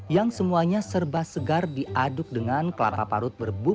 yang semuanya serba segar diaduk dengan kelapa parut berburu